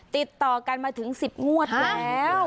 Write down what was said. ติดต่อกันมาถึง๑๐งวดแล้ว